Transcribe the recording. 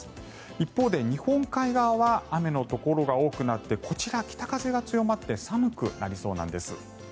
一方で、日本海側は雨のところが多くなってこちら、北風が強まって寒くなりそうなんです。